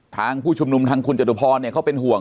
ทางผู้ชมนุมทางคุณจัตรุพรเนี่ยเขาเป็นห่วง